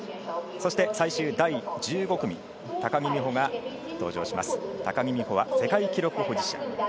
そして最終第１５組、高木美帆が登場します、世界記録保持者。